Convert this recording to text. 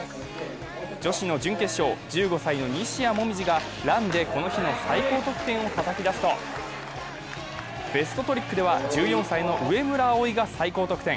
女子の準決勝、１５歳の西矢椛がランでこの日の最高得点をたたき出すとベストトリックでは、１４歳の上村葵が最高得点。